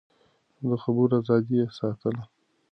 د خبرو ازادي يې ساتله.